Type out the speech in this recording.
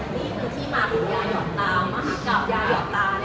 นี่คือที่มากูย่ายอดตรามากอาจจะมากคุณหยอดตราเนี่ย